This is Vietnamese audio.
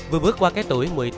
vừa bước qua cái tuổi một mươi tám